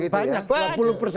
ya banyak juga gitu ya